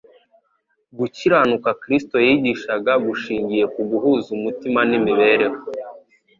Gukiranuka Kristo yigishaga gushingiye ku guhuza umutima n'imibereho